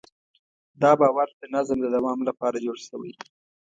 دا باور د نظم د دوام لپاره جوړ شوی.